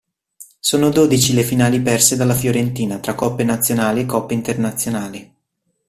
Sono dodici le finali perse della Fiorentina tra coppe nazionali e coppe internazionali.